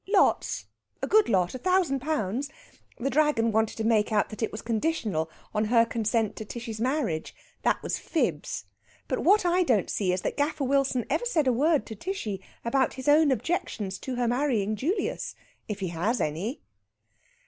Lots a good lot a thousand pounds! The Dragon wanted to make out that it was conditional on her consent to Tishy's marriage. That was fibs. But what I don't see is that Gaffer Wilson ever said a word to Tishy about his own objections to her marrying Julius, if he has any!"